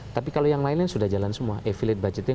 tapi kalau yang lainnya sudah jalan semua evilite budgeting